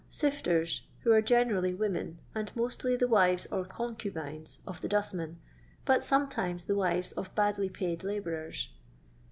S^fUrt, who are genendly women, and mostly the wives or concubines of the dustmen, but sometimes the wives of badlj paid labourers.